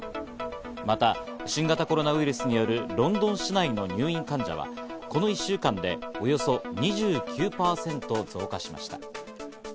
また新型コロナウイルスによるロンドン市内の入院患者はこの１週間でおよそ２９％増加しました。